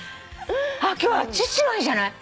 あっ今日は父の日じゃない？